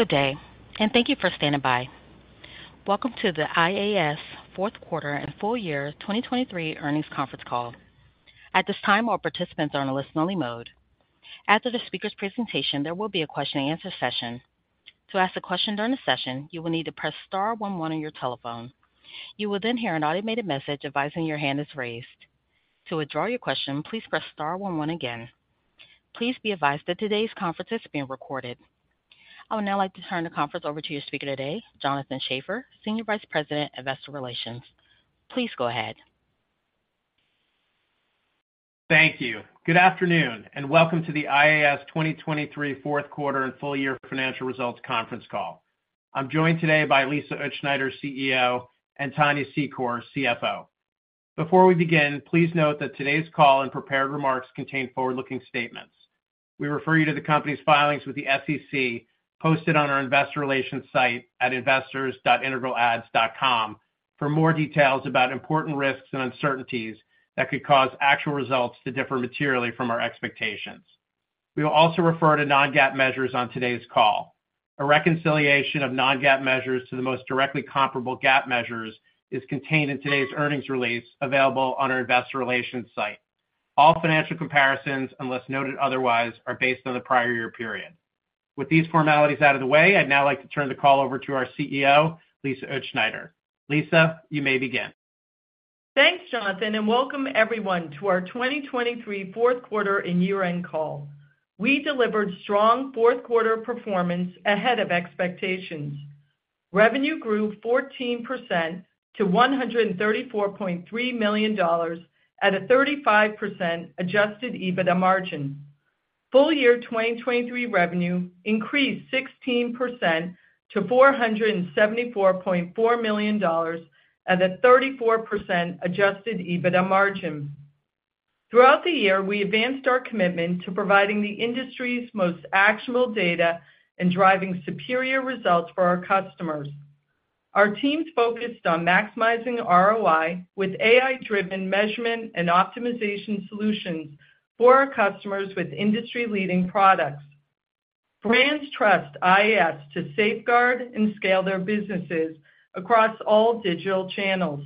Good day, and thank you for standing by. Welcome to the IAS Fourth Quarter and Full Year 2023 Earnings Conference Call. At this time, all participants are in a listen-only mode. After the speaker's presentation, there will be a question-and-answer session. To ask a question during the session, you will need to press star one one on your telephone. You will then hear an automated message advising your hand is raised. To withdraw your question, please press star one one again. Please be advised that today's conference is being recorded. I would now like to turn the conference over to your speaker today, Jonathan Schaffer, Senior Vice President, Investor Relations. Please go ahead. Thank you. Good afternoon and welcome to the IAS 2023 Fourth Quarter and Full Year Financial Results conference call. I'm joined today by Lisa Utzschneider, CEO, and Tania Secor, CFO. Before we begin, please note that today's call and prepared remarks contain forward-looking statements. We refer you to the company's filings with the SEC posted on our Investor Relations site at investors.integralads.com for more details about important risks and uncertainties that could cause actual results to differ materially from our expectations. We will also refer to non-GAAP measures on today's call. A reconciliation of non-GAAP measures to the most directly comparable GAAP measures is contained in today's earnings release available on our investor relations site. All financial comparisons, unless noted otherwise, are based on the prior year period. With these formalities out of the way, I'd now like to turn the call over to our CEO, Lisa Utzschneider. Lisa, you may begin. Thanks, Jonathan, and welcome everyone to our 2023 Fourth Quarter and Year-End Call. We delivered strong fourth quarter performance ahead of expectations. Revenue grew 14% to $134.3 million at a 35% Adjusted EBITDA margin. Full year 2023 revenue increased 16% to $474.4 million at a 34% Adjusted EBITDA margin. Throughout the year, we advanced our commitment to providing the industry's most actionable data and driving superior results for our customers. Our teams focused on maximizing ROI with AI-driven measurement and optimization solutions for our customers with industry-leading products. Brands trust IAS to safeguard and scale their businesses across all digital channels.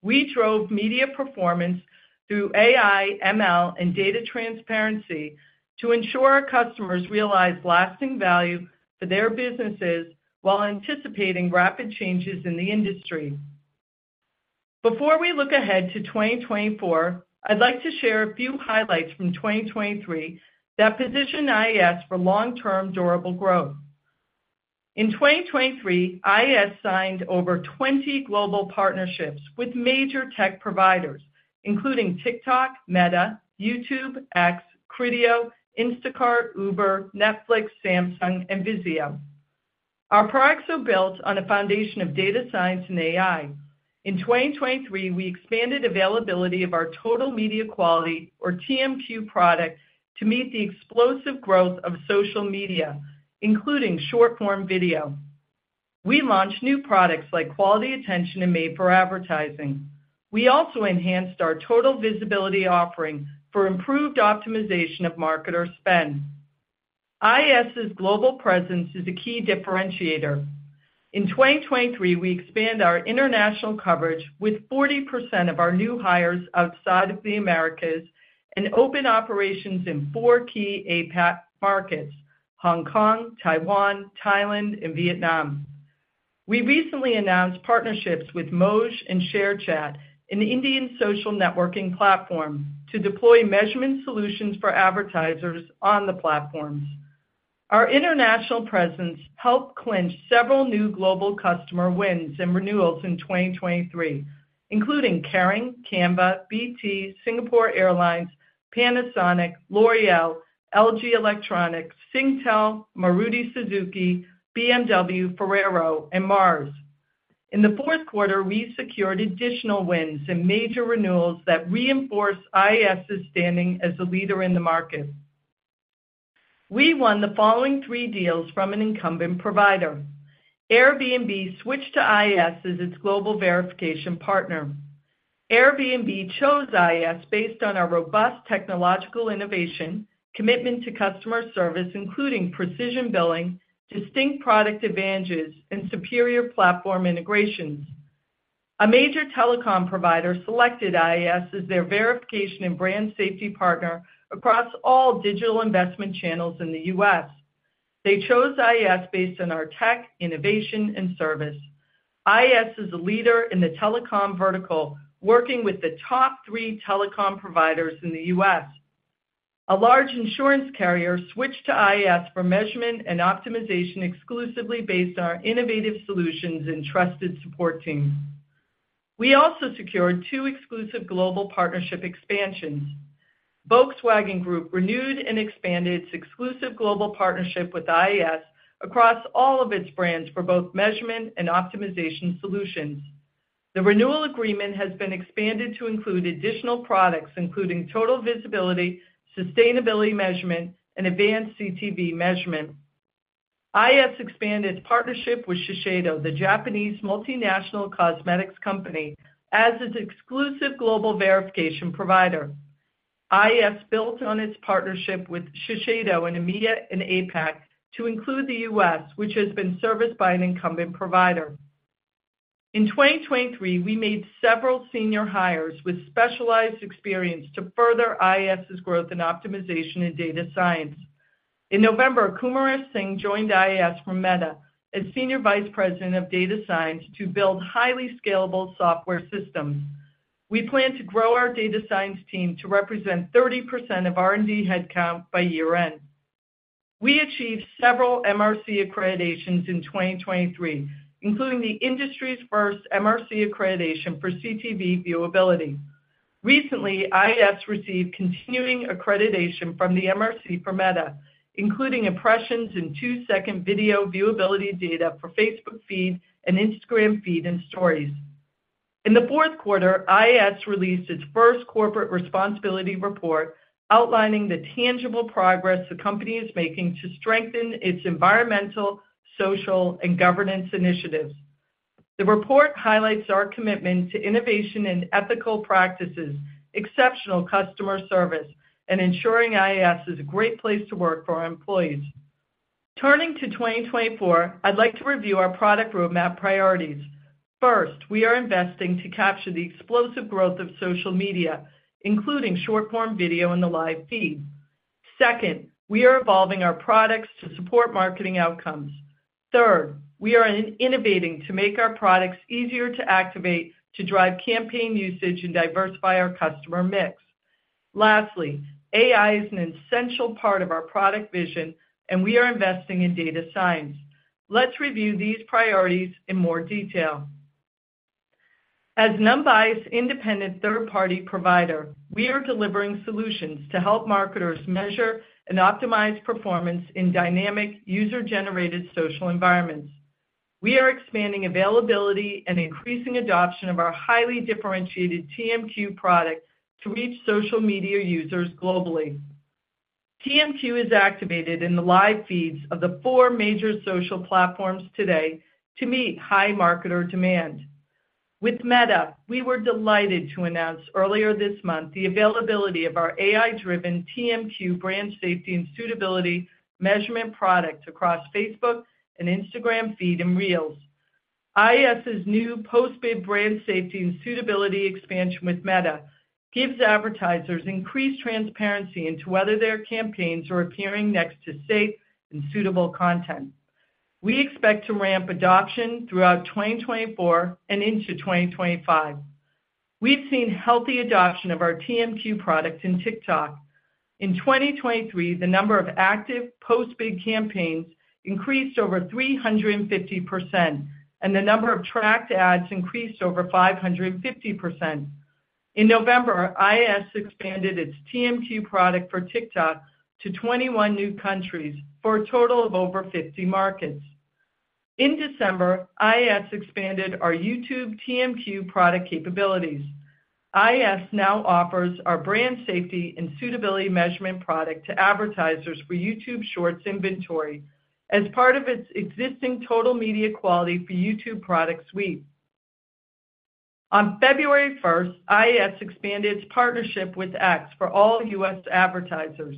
We drove media performance through AI, ML, and data transparency to ensure our customers realize lasting value for their businesses while anticipating rapid changes in the industry. Before we look ahead to 2024, I'd like to share a few highlights from 2023 that position IAS for long-term durable growth. In 2023, IAS signed over 20 global partnerships with major tech providers, including TikTok, Meta, YouTube, X, Criteo, Instacart, Uber, Netflix, Samsung, and Vizio. Our products are built on a foundation of data science and AI. In 2023, we expanded availability of our Total Media Quality, or TMQ, product to meet the explosive growth of social media, including short-form video. We launched new products like Quality Attention and Made for Advertising. We also enhanced our Total Visibility offering for improved optimization of marketer spend. IAS's global presence is a key differentiator. In 2023, we expand our international coverage with 40% of our new hires outside of the Americas and open operations in four key APAC markets: Hong Kong, Taiwan, Thailand, and Vietnam. We recently announced partnerships with Moj and ShareChat in the Indian social networking platform to deploy measurement solutions for advertisers on the platforms. Our international presence helped clinch several new global customer wins and renewals in 2023, including Kering, Canva, BT, Singapore Airlines, Panasonic, L'Oréal, LG Electronics, Singtel, Maruti Suzuki, BMW, Ferrero, and Mars. In the fourth quarter, we secured additional wins and major renewals that reinforce IAS's standing as a leader in the market. We won the following three deals from an incumbent provider: Airbnb switched to IAS as its global verification partner. Airbnb chose IAS based on our robust technological innovation, commitment to customer service, including precision billing, distinct product advantages, and superior platform integrations. A major telecom provider selected IAS as their verification and brand safety partner across all digital investment channels in the U.S. They chose IAS based on our tech, innovation, and service. IAS is a leader in the telecom vertical, working with the top three telecom providers in the U.S. A large insurance carrier switched to IAS for measurement and optimization exclusively based on our innovative solutions and trusted support teams. We also secured two exclusive global partnership expansions. Volkswagen Group renewed and expanded its exclusive global partnership with IAS across all of its brands for both measurement and optimization solutions. The renewal agreement has been expanded to include additional products, including Total Visibility, sustainability measurement, and advanced CTV measurement. IAS expanded its partnership with Shiseido, the Japanese multinational cosmetics company, as its exclusive global verification provider. IAS built on its partnership with Shiseido in EMEA and APAC to include the U.S., which has been serviced by an incumbent provider. In 2023, we made several senior hires with specialized experience to further IAS's growth and optimization in data science. In November, Kumaresh Singh joined IAS from Meta as Senior Vice President of Data Science to build highly scalable software systems. We plan to grow our data science team to represent 30% of R&D headcount by year-end. We achieved several MRC accreditations in 2023, including the industry's first MRC accreditation for CTV viewability. Recently, IAS received continuing accreditation from the MRC for Meta, including impressions and two-second video viewability data for Facebook feed and Instagram feed and stories. In the fourth quarter, IAS released its first corporate responsibility report outlining the tangible progress the company is making to strengthen its environmental, social, and governance initiatives. The report highlights our commitment to innovation and ethical practices, exceptional customer service, and ensuring IAS is a great place to work for our employees. Turning to 2024, I'd like to review our product roadmap priorities. First, we are investing to capture the explosive growth of social media, including short-form video in the live feed. Second, we are evolving our products to support marketing outcomes. Third, we are innovating to make our products easier to activate to drive campaign usage and diversify our customer mix. Lastly, AI is an essential part of our product vision, and we are investing in data science. Let's review these priorities in more detail. As IAS's independent third-party provider, we are delivering solutions to help marketers measure and optimize performance in dynamic, user-generated social environments. We are expanding availability and increasing adoption of our highly differentiated TMQ product to reach social media users globally. TMQ is activated in the live feeds of the four major social platforms today to meet high marketer demand. With Meta, we were delighted to announce earlier this month the availability of our AI-driven TMQ brand safety and suitability measurement product across Facebook and Instagram feeds and Reels. IAS's new post-bid brand safety and suitability expansion with Meta gives advertisers increased transparency into whether their campaigns are appearing next to safe and suitable content. We expect to ramp adoption throughout 2024 and into 2025. We've seen healthy adoption of our TMQ product in TikTok. In 2023, the number of active post-bid campaigns increased over 350%, and the number of tracked ads increased over 550%. In November, IAS expanded its TMQ product for TikTok to 21 new countries for a total of over 50 markets. In December, IAS expanded our YouTube TMQ product capabilities. IAS now offers our brand safety and suitability measurement product to advertisers for YouTube Shorts inventory as part of its existing Total Media Quality for YouTube product suite. On February 1st, IAS expanded its partnership with X for all U.S. advertisers.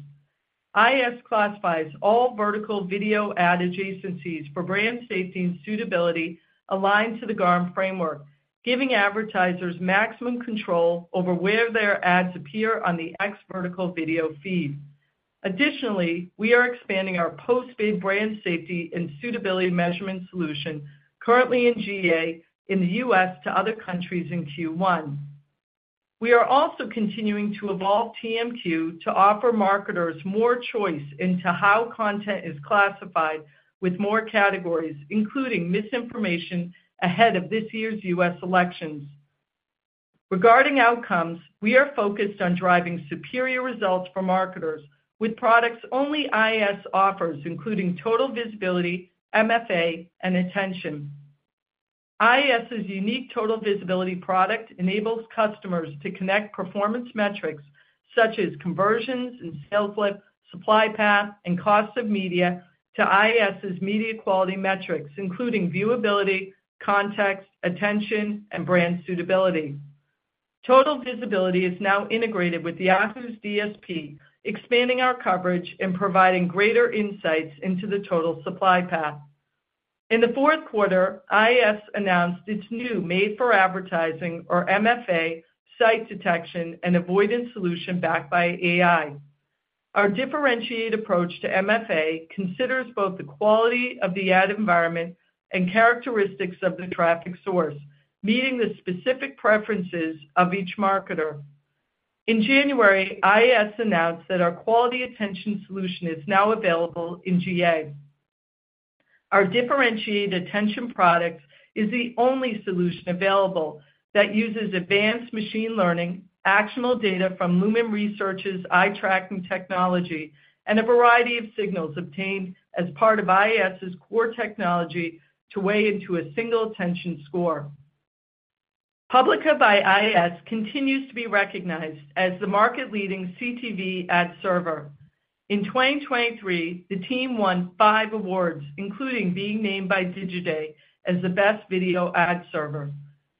IAS classifies all vertical video ad adjacencies for brand safety and suitability aligned to the GARM framework, giving advertisers maximum control over where their ads appear on the X vertical video feed. Additionally, we are expanding our post-bid brand safety and suitability measurement solution, currently in GA, in the U.S. to other countries in Q1. We are also continuing to evolve TMQ to offer marketers more choice into how content is classified with more categories, including misinformation, ahead of this year's U.S. elections. Regarding outcomes, we are focused on driving superior results for marketers with products only IAS offers, including Total Visibility, MFA, and Attention. IAS's unique Total Visibility product enables customers to connect performance metrics such as conversions and sales lift, supply path, and cost of media to IAS's media quality metrics, including viewability, context, attention, and brand suitability. Total Visibility is now integrated with the AHU's DSP, expanding our coverage and providing greater insights into the total supply path. In the fourth quarter, IAS announced its new Made for Advertising, or MFA, site detection and avoidance solution backed by AI. Our differentiated approach to MFA considers both the quality of the ad environment and characteristics of the traffic source, meeting the specific preferences of each marketer. In January, IAS announced that our Quality Attention solution is now available in GA. Our differentiated Attention product is the only solution available that uses advanced machine learning, actionable data from Lumen Research's eye tracking technology, and a variety of signals obtained as part of IAS's core technology to weigh into a single Attention score. Publica by IAS continues to be recognized as the market-leading CTV ad server. In 2023, the team won five awards, including being named by Digiday as the best video ad server.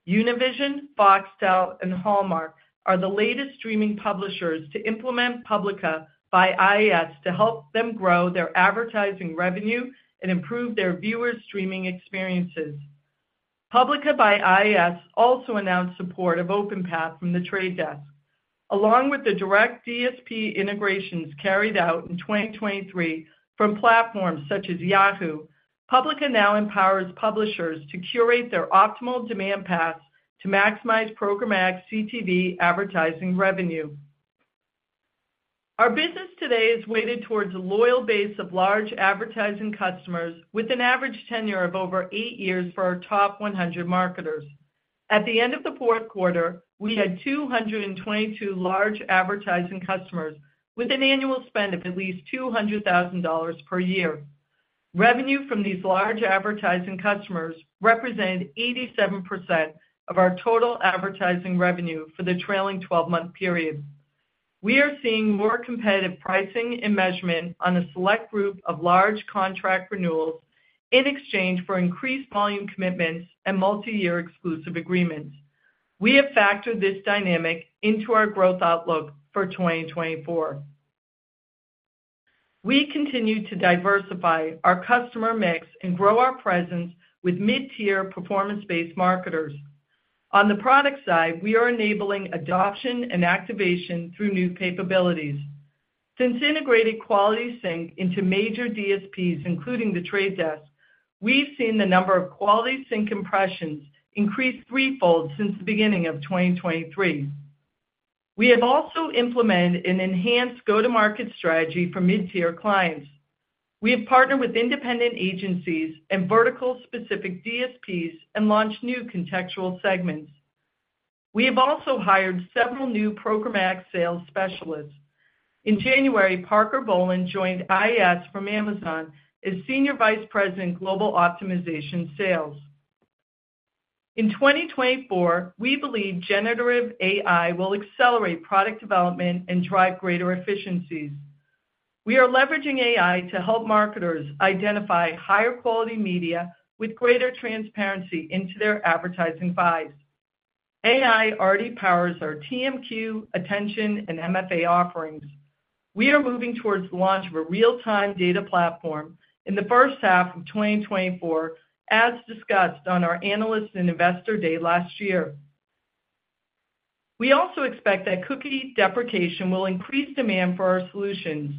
Univision, Foxtel, and Hallmark are the latest streaming publishers to implement Publica by IAS to help them grow their advertising revenue and improve their viewer streaming experiences. Publica by IAS also announced support of OpenPath from The Trade Desk. Along with the direct DSP integrations carried out in 2023 from platforms such as Yahoo, Publica now empowers publishers to curate their optimal demand paths to maximize programmatic CTV advertising revenue. Our business today is weighted towards a loyal base of large advertising customers with an average tenure of over eight years for our top 100 marketers. At the end of the fourth quarter, we had 222 large advertising customers with an annual spend of at least $200,000 per year. Revenue from these large advertising customers represented 87% of our total advertising revenue for the trailing 12-month period. We are seeing more competitive pricing and measurement on a select group of large contract renewals in exchange for increased volume commitments and multi-year exclusive agreements. We have factored this dynamic into our growth outlook for 2024. We continue to diversify our customer mix and grow our presence with mid-tier performance-based marketers. On the product side, we are enabling adoption and activation through new capabilities. Since integrated Quality Sync into major DSPs, including The Trade Desk, we've seen the number of Quality Sync impressions increase threefold since the beginning of 2023. We have also implemented an enhanced go-to-market strategy for mid-tier clients. We have partnered with independent agencies and vertical-specific DSPs and launched new contextual segments. We have also hired several new programmatic sales specialists. In January, Parker Bolan joined IAS from Amazon as Senior Vice President Global Optimization Sales. In 2024, we believe generative AI will accelerate product development and drive greater efficiencies. We are leveraging AI to help marketers identify higher quality media with greater transparency into their advertising buys. AI already powers our TMQ, Attention, and MFA offerings. We are moving towards the launch of a real-time data platform in the first half of 2024, as discussed on our Analyst and Investor Day last year. We also expect that cookie deprecation will increase demand for our solutions.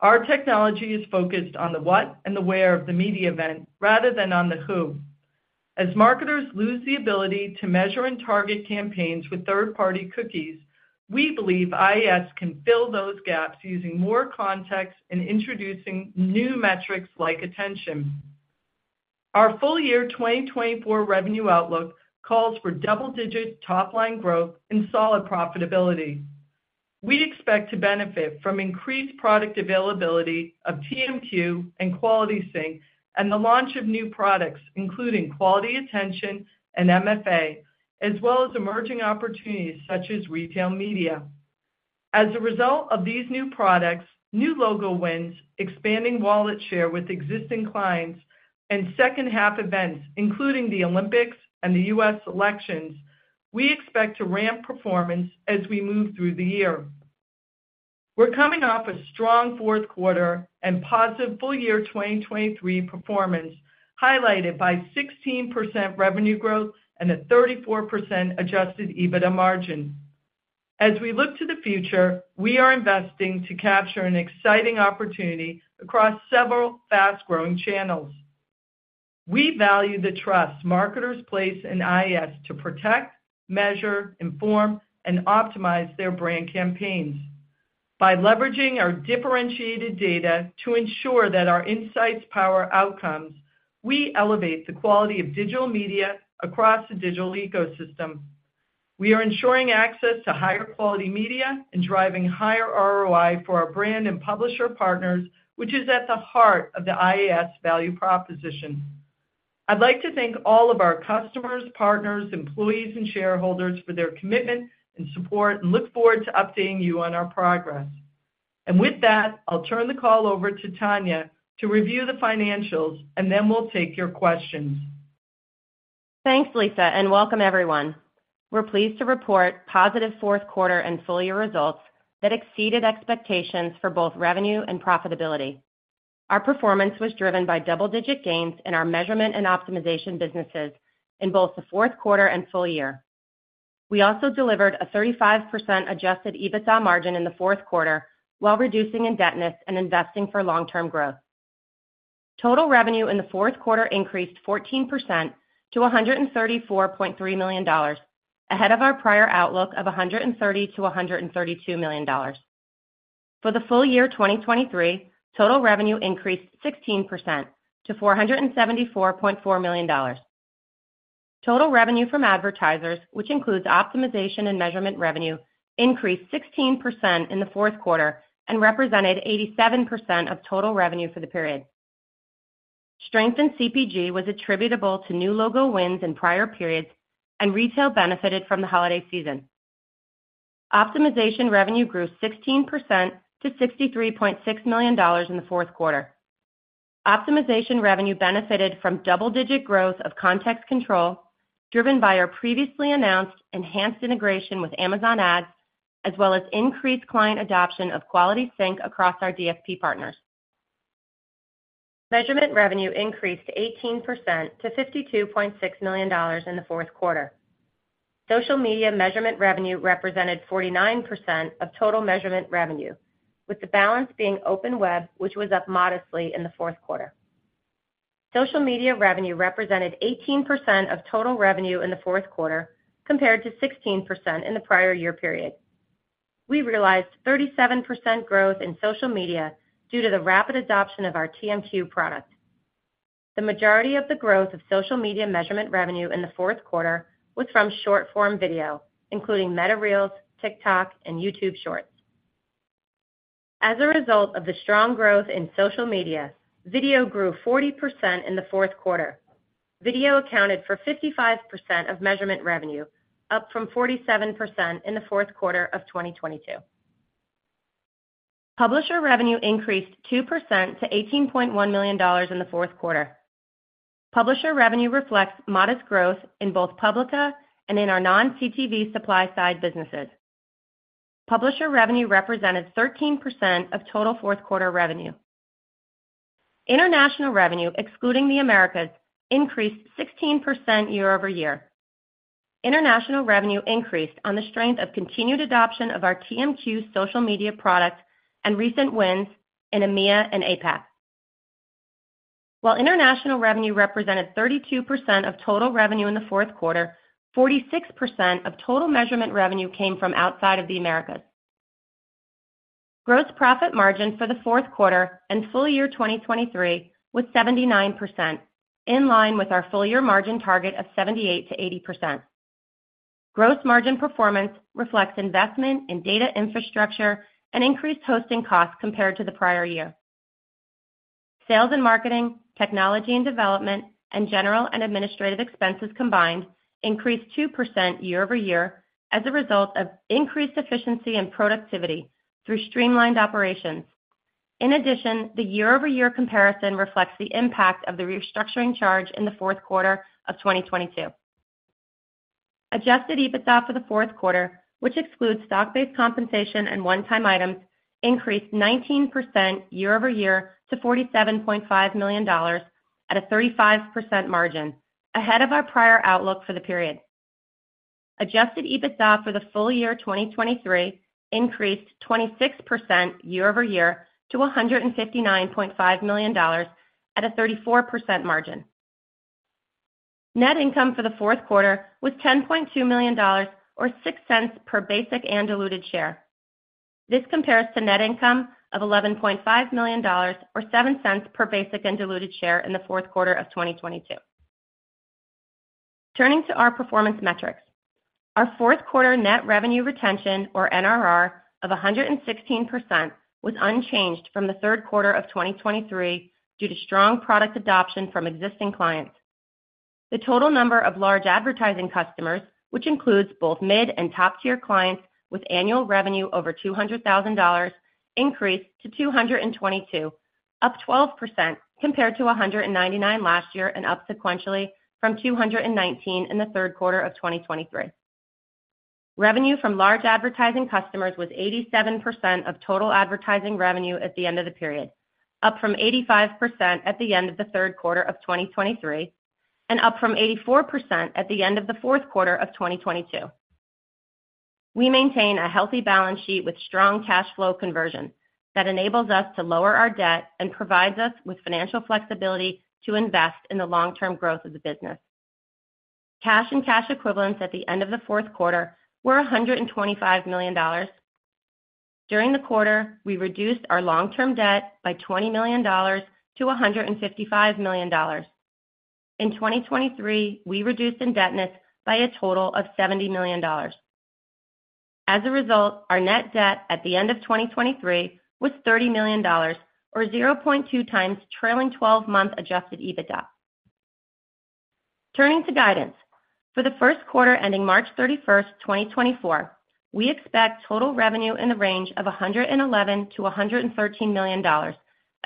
Our technology is focused on the what and the where of the media event rather than on the who. As marketers lose the ability to measure and target campaigns with third-party cookies, we believe IAS can fill those gaps using more context and introducing new metrics like Attention. Our full-year 2024 revenue outlook calls for double-digit top-line growth and solid profitability. We expect to benefit from increased product availability of TMQ and Quality Sync and the launch of new products, including Quality Attention and MFA, as well as emerging opportunities such as retail media. As a result of these new products, new logo wins, expanding wallet share with existing clients, and second-half events, including the Olympics and the U.S. elections, we expect to ramp performance as we move through the year. We're coming off a strong fourth quarter and positive full-year 2023 performance highlighted by 16% revenue growth and a 34% Adjusted EBITDA margin. As we look to the future, we are investing to capture an exciting opportunity across several fast-growing channels. We value the trust marketers place in IAS to protect, measure, inform, and optimize their brand campaigns. By leveraging our differentiated data to ensure that our insights power outcomes, we elevate the quality of digital media across the digital ecosystem. We are ensuring access to higher quality media and driving higher ROI for our brand and publisher partners, which is at the heart of the IAS value proposition. I'd like to thank all of our customers, partners, employees, and shareholders for their commitment and support and look forward to updating you on our progress. And with that, I'll turn the call over to Tania to review the financials, and then we'll take your questions. Thanks, Lisa, and welcome, everyone. We're pleased to report positive fourth quarter and full-year results that exceeded expectations for both revenue and profitability. Our performance was driven by double-digit gains in our measurement and optimization businesses in both the fourth quarter and full year. We also delivered a 35% Adjusted EBITDA margin in the fourth quarter while reducing indebtedness and investing for long-term growth. Total revenue in the fourth quarter increased 14% to $134.3 million, ahead of our prior outlook of $130-$132 million. For the full year 2023, total revenue increased 16% to $474.4 million. Total revenue from advertisers, which includes optimization and measurement revenue, increased 16% in the fourth quarter and represented 87% of total revenue for the period. Strength in CPG was attributable to new logo wins in prior periods, and retail benefited from the holiday season. Optimization revenue grew 16% to $63.6 million in the fourth quarter. Optimization revenue benefited from double-digit growth of Context Control driven by our previously announced enhanced integration with Amazon Ads, as well as increased client adoption of Quality Sync across our DSP partners. Measurement revenue increased 18% to $52.6 million in the fourth quarter. Social media measurement revenue represented 49% of total measurement revenue, with the balance being Open Web, which was up modestly in the fourth quarter. Social media revenue represented 18% of total revenue in the fourth quarter compared to 16% in the prior year period. We realized 37% growth in social media due to the rapid adoption of our TMQ product. The majority of the growth of social media measurement revenue in the fourth quarter was from short-form video, including Meta Reels, TikTok, and YouTube Shorts. As a result of the strong growth in social media, video grew 40% in the fourth quarter. Video accounted for 55% of measurement revenue, up from 47% in the fourth quarter of 2022. Publisher revenue increased 2% to $18.1 million in the fourth quarter. Publisher revenue reflects modest growth in both Publica and in our non-CTV supply side businesses. Publisher revenue represented 13% of total fourth-quarter revenue. International revenue, excluding the Americas, increased 16% year-over-year. International revenue increased on the strength of continued adoption of our TMQ social media product and recent wins in EMEA and APAC. While international revenue represented 32% of total revenue in the fourth quarter, 46% of total measurement revenue came from outside of the Americas. Gross profit margin for the fourth quarter and full year 2023 was 79%, in line with our full-year margin target of 78%-80%. Gross margin performance reflects investment in data infrastructure and increased hosting costs compared to the prior year. Sales and marketing, technology and development, and general and administrative expenses combined increased 2% year-over-year as a result of increased efficiency and productivity through streamlined operations. In addition, the year-over-year comparison reflects the impact of the restructuring charge in the fourth quarter of 2022. Adjusted EBITDA for the fourth quarter, which excludes stock-based compensation and one-time items, increased 19% year-over-year to $47.5 million at a 35% margin, ahead of our prior outlook for the period. Adjusted EBITDA for the full year 2023 increased 26% year-over-year to $159.5 million at a 34% margin. Net income for the fourth quarter was $10.2 million, or $0.06, per basic and diluted share. This compares to net income of $11.5 million, or $0.07, per basic and diluted share in the fourth quarter of 2022. Turning to our performance metrics, our fourth-quarter net revenue retention, or NRR, of 116% was unchanged from the third quarter of 2023 due to strong product adoption from existing clients. The total number of large advertising customers, which includes both mid and top-tier clients with annual revenue over $200,000, increased to 222, up 12% compared to 199 last year and up sequentially from 219 in the third quarter of 2023. Revenue from large advertising customers was 87% of total advertising revenue at the end of the period, up from 85% at the end of the third quarter of 2023 and up from 84% at the end of the fourth quarter of 2022. We maintain a healthy balance sheet with strong cash flow conversion that enables us to lower our debt and provides us with financial flexibility to invest in the long-term growth of the business. Cash and cash equivalents at the end of the fourth quarter were $125 million. During the quarter, we reduced our long-term debt by $20 million-$155 million. In 2023, we reduced indebtedness by a total of $70 million. As a result, our net debt at the end of 2023 was $30 million, or 0.2 times trailing 12-month Adjusted EBITDA. Turning to guidance, for the first quarter ending March 31st, 2024, we expect total revenue in the range of $111-$113 million, a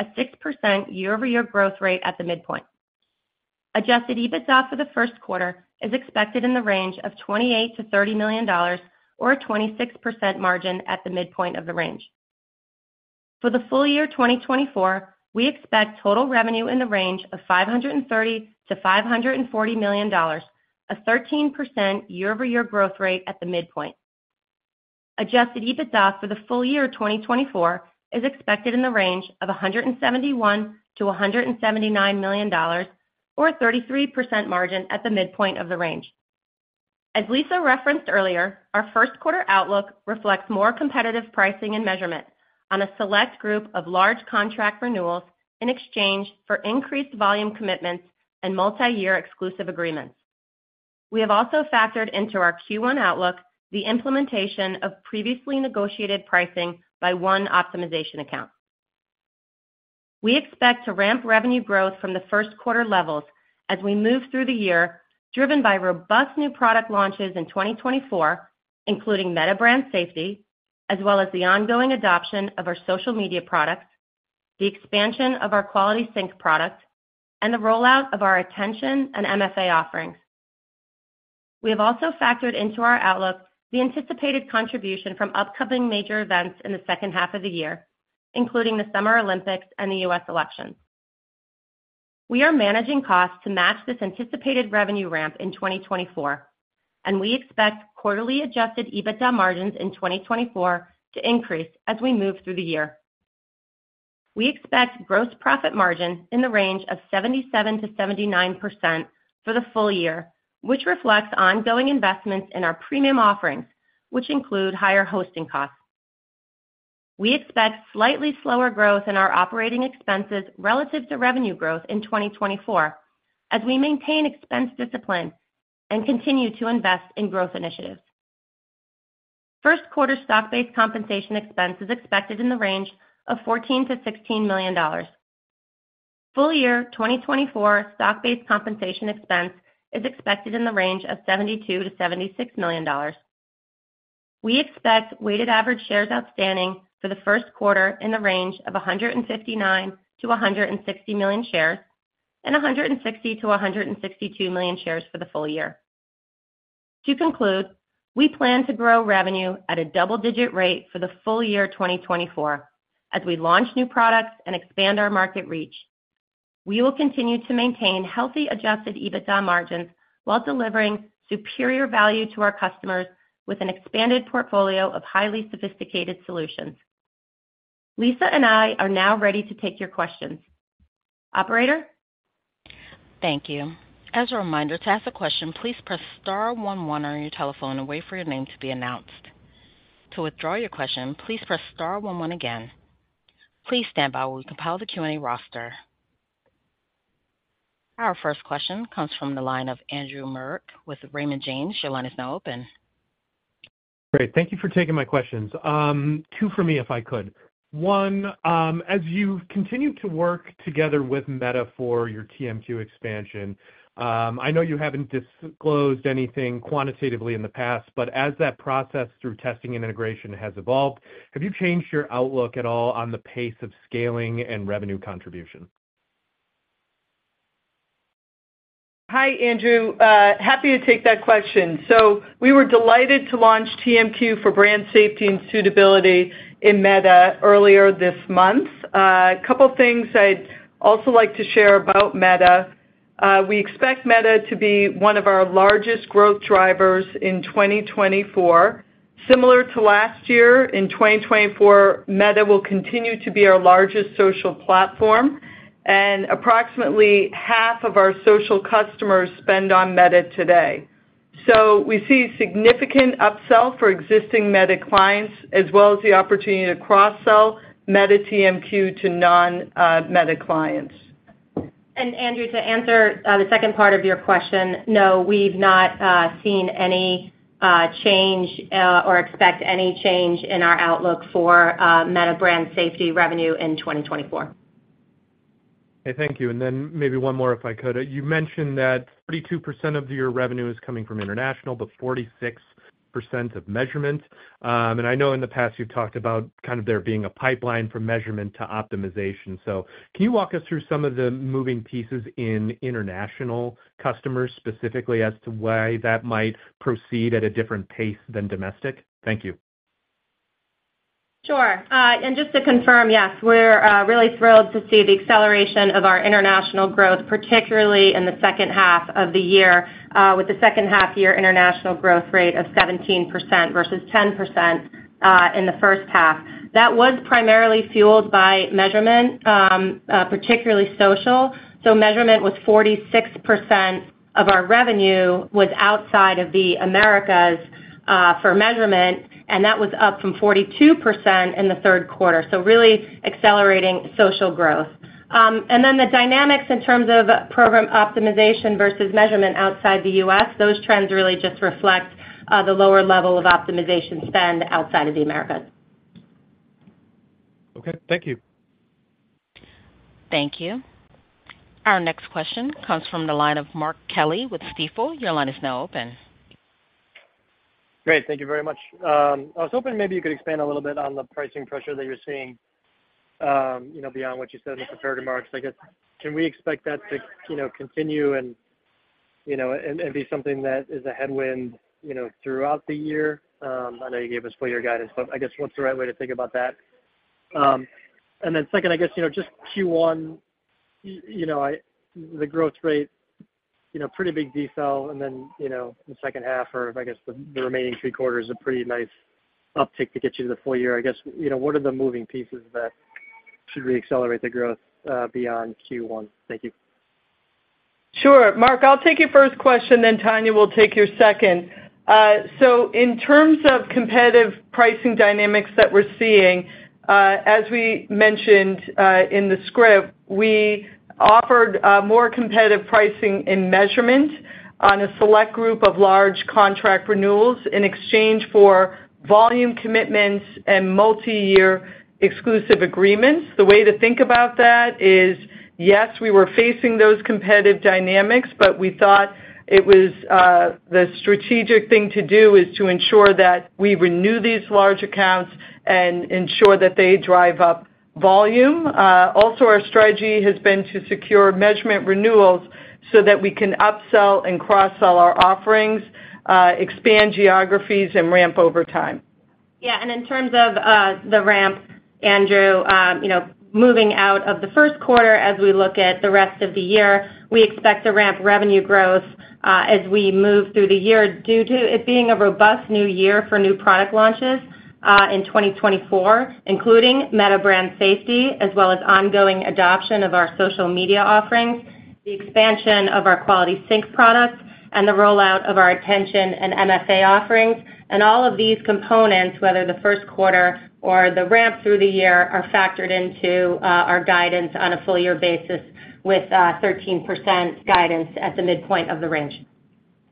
6% year-over-year growth rate at the midpoint. Adjusted EBITDA for the first quarter is expected in the range of $28-$30 million, or a 26% margin at the midpoint of the range. For the full year 2024, we expect total revenue in the range of $530-$540 million, a 13% year-over-year growth rate at the midpoint. Adjusted EBITDA for the full year 2024 is expected in the range of $171-$179 million, or a 33% margin at the midpoint of the range. As Lisa referenced earlier, our first-quarter outlook reflects more competitive pricing and measurement on a select group of large contract renewals in exchange for increased volume commitments and multi-year exclusive agreements. We have also factored into our Q1 outlook the implementation of previously negotiated pricing by one optimization account. We expect to ramp revenue growth from the first quarter levels as we move through the year, driven by robust new product launches in 2024, including Meta Brand Safety, as well as the ongoing adoption of our social media products, the expansion of our Quality Sync product, and the rollout of our Attention and MFA offerings. We have also factored into our outlook the anticipated contribution from upcoming major events in the second half of the year, including the Summer Olympics and the U.S. elections. We are managing costs to match this anticipated revenue ramp in 2024, and we expect quarterly Adjusted EBITDA margins in 2024 to increase as we move through the year. We expect gross profit margin in the range of 77%-79% for the full year, which reflects ongoing investments in our premium offerings, which include higher hosting costs. We expect slightly slower growth in our operating expenses relative to revenue growth in 2024 as we maintain expense discipline and continue to invest in growth initiatives. First quarter stock-based compensation expense is expected in the range of $14-$16 million. Full year 2024 stock-based compensation expense is expected in the range of $72-$76 million. We expect weighted average shares outstanding for the first quarter in the range of 159-160 million shares and 160-162 million shares for the full year. To conclude, we plan to grow revenue at a double-digit rate for the full year 2024 as we launch new products and expand our market reach. We will continue to maintain healthy Adjusted EBITDA margins while delivering superior value to our customers with an expanded portfolio of highly sophisticated solutions. Lisa and I are now ready to take your questions. Operator? Thank you. As a reminder, to ask a question, please press star one one on your telephone and wait for your name to be announced. To withdraw your question, please press star one one again. Please stand by while we compile the Q&A roster. Our first question comes from the line of Andrew Marok with Raymond James. Your line is now open. Great. Thank you for taking my questions. Two for me, if I could. One, as you continue to work together with Meta for your TMQ expansion, I know you haven't disclosed anything quantitatively in the past, but as that process through testing and integration has evolved, have you changed your outlook at all on the pace of scaling and revenue contribution? Hi, Andrew. Happy to take that question. So we were delighted to launch TMQ for brand safety and suitability in Meta earlier this month. A couple of things I'd also like to share about Meta. We expect Meta to be one of our largest growth drivers in 2024. Similar to last year, in 2024, Meta will continue to be our largest social platform, and approximately half of our social customers spend on Meta today. So we see significant upsell for existing Meta clients as well as the opportunity to cross-sell Meta TMQ to non-Meta clients. Andrew, to answer the second part of your question, no, we've not seen any change or expect any change in our outlook for Meta Brand Safety revenue in 2024. Okay. Thank you. And then maybe one more, if I could. You mentioned that 32% of your revenue is coming from international, but 46% of measurement. And I know in the past you've talked about kind of there being a pipeline from measurement to optimization. So can you walk us through some of the moving pieces in international customers, specifically as to why that might proceed at a different pace than domestic? Thank you. Sure. And just to confirm, yes, we're really thrilled to see the acceleration of our international growth, particularly in the second half of the year, with the second-half-year international growth rate of 17% versus 10% in the first half. That was primarily fueled by measurement, particularly social. So measurement was 46% of our revenue was outside of the Americas for measurement, and that was up from 42% in the third quarter. So really accelerating social growth. And then the dynamics in terms of program optimization versus measurement outside the U.S., those trends really just reflect the lower level of optimization spend outside of the Americas. Okay. Thank you. Thank you. Our next question comes from the line of Mark Kelley with Stifel. Your line is now open. Great. Thank you very much. I was hoping maybe you could expand a little bit on the pricing pressure that you're seeing beyond what you said in the comparative markets. I guess, can we expect that to continue and be something that is a headwind throughout the year? I know you gave us full-year guidance, but I guess what's the right way to think about that? And then second, I guess, just Q1, the growth rate, pretty big detail, and then the second half or, I guess, the remaining three quarters are pretty nice uptick to get you to the full year. I guess, what are the moving pieces that should reaccelerate the growth beyond Q1? Thank you. Sure. Mark, I'll take your first question, then Tania will take your second. In terms of competitive pricing dynamics that we're seeing, as we mentioned in the script, we offered more competitive pricing and measurement on a select group of large contract renewals in exchange for volume commitments and multi-year exclusive agreements. The way to think about that is, yes, we were facing those competitive dynamics, but we thought the strategic thing to do is to ensure that we renew these large accounts and ensure that they drive up volume. Also, our strategy has been to secure measurement renewals so that we can upsell and cross-sell our offerings, expand geographies, and ramp over time. Yeah. In terms of the ramp, Andrew, moving out of the first quarter as we look at the rest of the year, we expect to ramp revenue growth as we move through the year due to it being a robust new year for new product launches in 2024, including Meta Brand Safety as well as ongoing adoption of our social media offerings, the expansion of our Quality Sync products, and the rollout of our Attention and MFA offerings. All of these components, whether the first quarter or the ramp through the year, are factored into our guidance on a full-year basis with 13% guidance at the midpoint of the range.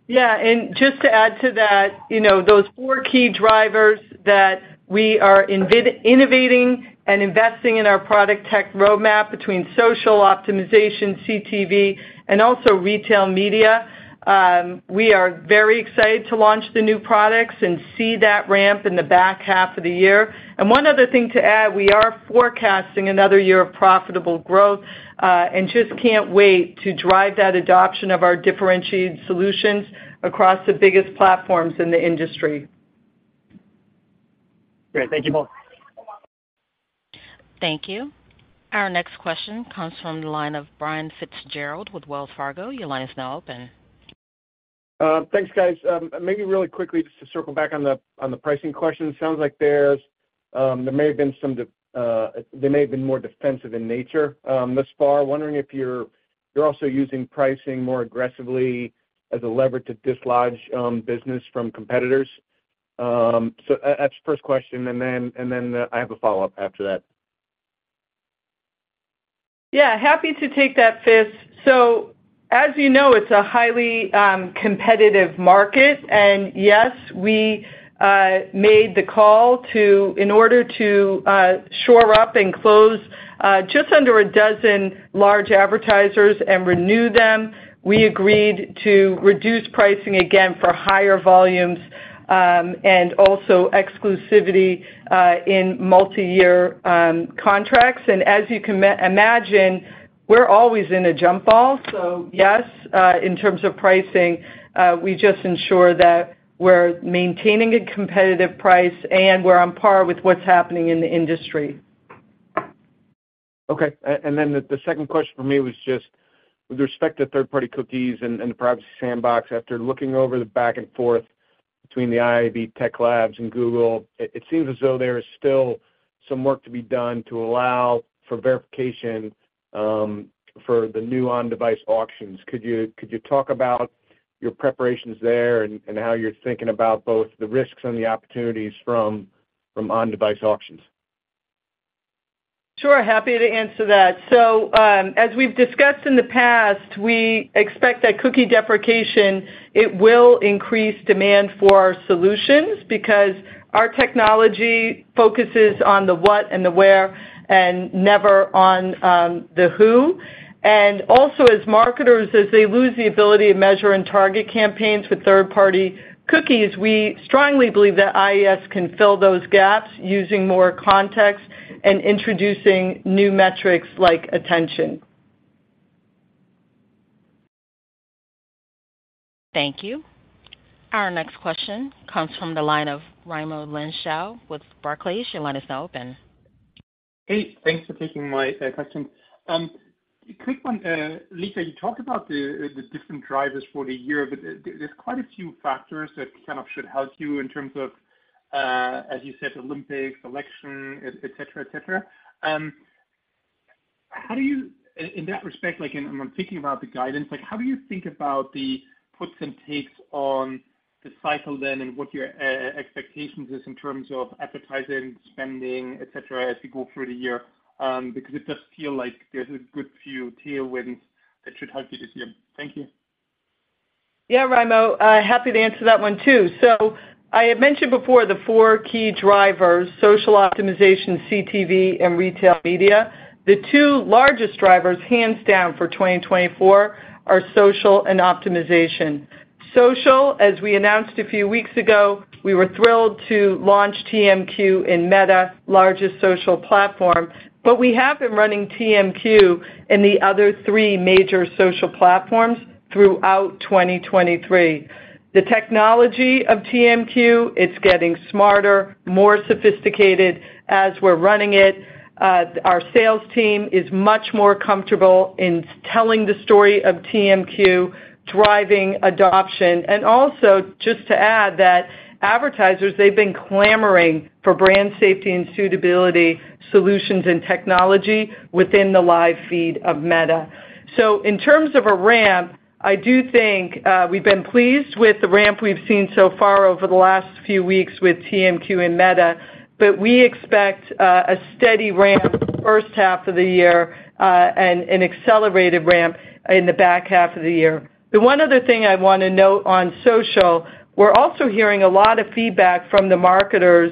Yeah. And just to add to that, those four key drivers that we are innovating and investing in our product tech roadmap between social optimization, CTV, and also retail media, we are very excited to launch the new products and see that ramp in the back half of the year. And one other thing to add, we are forecasting another year of profitable growth and just can't wait to drive that adoption of our differentiated solutions across the biggest platforms in the industry. Great. Thank you both. Thank you. Our next question comes from the line of Brian Fitzgerald with Wells Fargo. Your line is now open. Thanks, guys. Maybe really quickly, just to circle back on the pricing question, it sounds like there may have been some. They may have been more defensive in nature thus far. Wondering if you're also using pricing more aggressively as a leverage to dislodge business from competitors. So that's the first question, and then I have a follow-up after that. Yeah. Happy to take that, Fitz. So as you know, it's a highly competitive market. And yes, we made the call in order to shore up and close just under a dozen large advertisers and renew them. We agreed to reduce pricing again for higher volumes and also exclusivity in multi-year contracts. And as you can imagine, we're always in a jump ball. So yes, in terms of pricing, we just ensure that we're maintaining a competitive price and we're on par with what's happening in the industry. Okay. And then the second question for me was just with respect to third-party cookies and the Privacy Sandbox, after looking over the back and forth between the IAB Tech Lab and Google, it seems as though there is still some work to be done to allow for verification for the new on-device auctions. Could you talk about your preparations there and how you're thinking about both the risks and the opportunities from on-device auctions? Sure. Happy to answer that. As we've discussed in the past, we expect that cookie deprecation it will increase demand for our solutions because our technology focuses on the what and the where and never on the who. Also, as marketers as they lose the ability to measure and target campaigns with third-party cookies, we strongly believe that IAS can fill those gaps using more context and introducing new metrics like attention. Thank you. Our next question comes from the line of Raimo Lenschow with Barclays. Your line is now open. Hey. Thanks for taking my question. Quick one, Lisa. You talked about the different drivers for the year, but there's quite a few factors that kind of should help you in terms of, as you said, Olympics, election, etc., etc. In that respect, and I'm thinking about the guidance, how do you think about the puts and takes on the cycle then and what your expectations are in terms of advertising spending, etc., as you go through the year? Because it does feel like there's a good few tailwinds that should help you this year. Thank you. Yeah, Raimo. Happy to answer that one too. So I had mentioned before the four key drivers: social optimization, CTV, and retail media. The two largest drivers, hands down, for 2024 are social and optimization. Social, as we announced a few weeks ago, we were thrilled to launch TMQ in Meta, largest social platform, but we have been running TMQ in the other three major social platforms throughout 2023. The technology of TMQ, it's getting smarter, more sophisticated as we're running it. Our sales team is much more comfortable in telling the story of TMQ, driving adoption. And also, just to add that advertisers, they've been clamoring for brand safety and suitability solutions and technology within the live feed of Meta. So in terms of a ramp, I do think we've been pleased with the ramp we've seen so far over the last few weeks with TMQ in Meta, but we expect a steady ramp the first half of the year and an accelerated ramp in the back half of the year. The one other thing I want to note on social, we're also hearing a lot of feedback from the marketers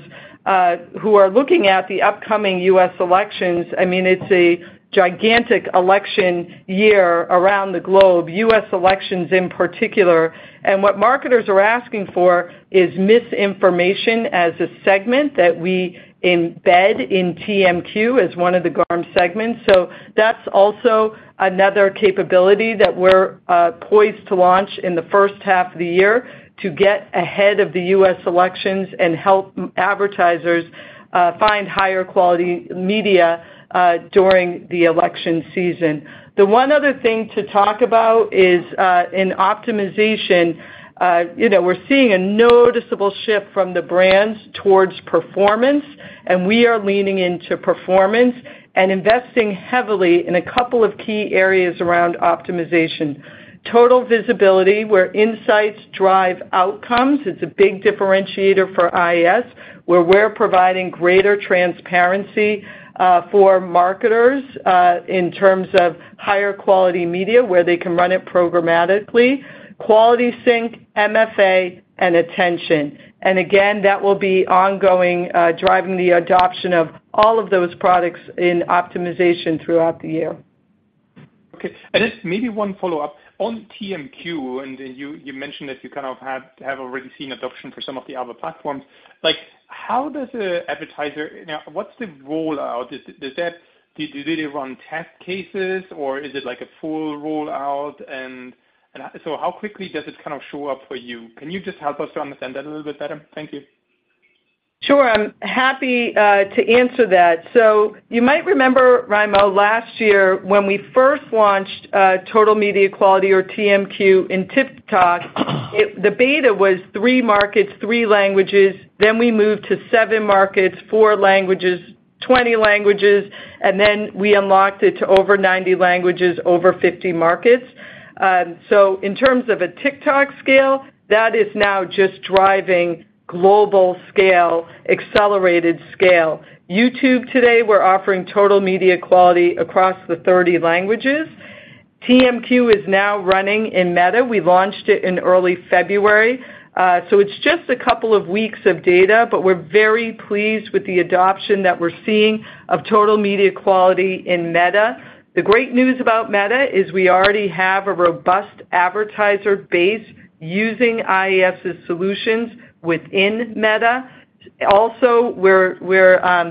who are looking at the upcoming U.S. elections. I mean, it's a gigantic election year around the globe, U.S. elections in particular. And what marketers are asking for is misinformation as a segment that we embed in TMQ as one of the GARM segments. So that's also another capability that we're poised to launch in the first half of the year to get ahead of the U.S. elections and help advertisers find higher quality media during the election season. The one other thing to talk about is in optimization, we're seeing a noticeable shift from the brands towards performance, and we are leaning into performance and investing heavily in a couple of key areas around optimization. Total Visibility, where insights drive outcomes. It's a big differentiator for IAS. We're providing greater transparency for marketers in terms of higher quality media where they can run it programmatically. Quality Sync, MFA, and Attention. And again, that will be ongoing, driving the adoption of all of those products in optimization throughout the year. Okay. And maybe one follow-up. On TMQ, and you mentioned that you kind of have already seen adoption for some of the other platforms, how does an advertiser now, what's the rollout? Do they run test cases, or is it a full rollout? And so how quickly does it kind of show up for you? Can you just help us to understand that a little bit better? Thank you. Sure. I'm happy to answer that. So you might remember, Raimo, last year when we first launched Total Media Quality or TMQ in TikTok, the beta was three markets, three languages. Then we moved to seven markets, four languages, 20 languages, and then we unlocked it to over 90 languages, over 50 markets. So in terms of a TikTok scale, that is now just driving global scale, accelerated scale. YouTube today, we're offering Total Media Quality across the 30 languages. TMQ is now running in Meta. We launched it in early February. So it's just a couple of weeks of data, but we're very pleased with the adoption that we're seeing of Total Media Quality in Meta. The great news about Meta is we already have a robust advertiser base using IAS's solutions within Meta. Also, we're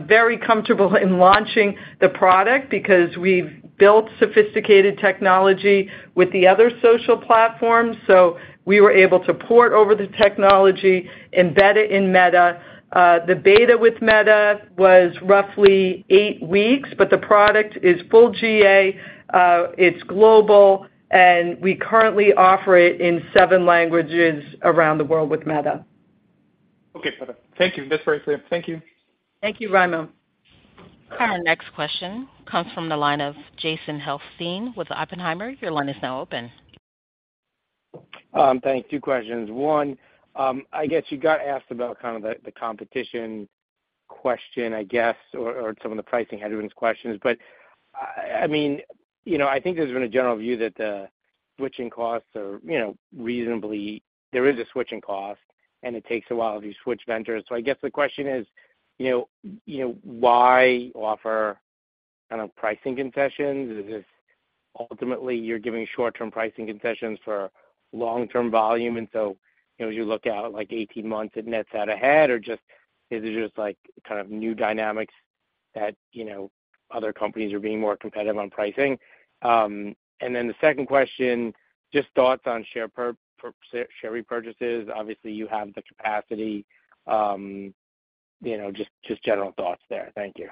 very comfortable in launching the product because we've built sophisticated technology with the other social platforms. So we were able to port over the technology, embed it in Meta. The beta with Meta was roughly eight weeks, but the product is full GA. It's global, and we currently offer it in seven languages around the world with Meta. Okay. Perfect. Thank you. That's very clear. Thank you. Thank you, Raimo. Our next question comes from the line of Jason Helfstein with Oppenheimer. Your line is now open. Thanks. Two questions. One, I guess you got asked about kind of the competition question, I guess, or some of the pricing headwinds questions. But I mean, I think there's been a general view that the switching costs are reasonably, there is a switching cost, and it takes a while if you switch vendors. So I guess the question is, why offer kind of pricing concessions? Is this ultimately you're giving short-term pricing concessions for long-term volume? And so as you look out 18 months, it nets out ahead, or is it just kind of new dynamics that other companies are being more competitive on pricing? And then the second question, just thoughts on share repurchases. Obviously, you have the capacity. Just general thoughts there. Thank you.